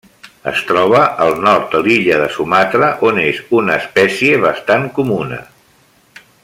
Es troba al nord de l'illa de Sumatra, on és una espècie bastant comuna.